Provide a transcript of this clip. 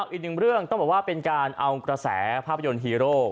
อีกหนึ่งเรื่องต้องบอกว่าเป็นการเอากระแสภาพยนตร์ฮีโร่